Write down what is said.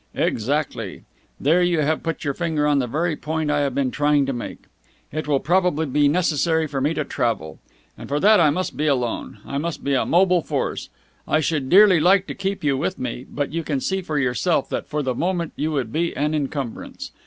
"Exactly. There you have put your finger on the very point I have been trying to make. It will probably be necessary for me to travel. And for that I must be alone. I must be a mobile force. I should dearly like to keep you with me, but you can see for yourself that for the moment you would be an encumbrance.